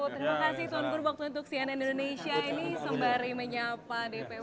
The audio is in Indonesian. terima kasih tuhan guru waktunya tuk sian indonesia ini sembari menyapa dpw